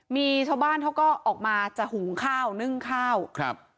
มีชาวบ้านเขาก็ออกมาจะหุงข้าวนึ่งข้าวครับ